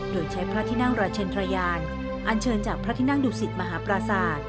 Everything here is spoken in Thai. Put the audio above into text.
โดยใช้พระที่นั่งราชินทรยานอันเชิญจากพระที่นั่งดุสิตมหาปราศาสตร์